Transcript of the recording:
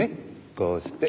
こうして。